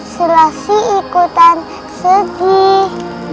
selasi ikutan sedih